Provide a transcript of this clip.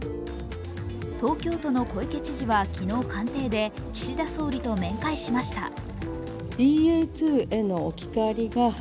東京都の小池知事は昨日、官邸で岸田総理と面会しました。